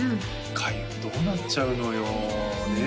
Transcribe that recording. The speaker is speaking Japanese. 開運どうなっちゃうのよねえ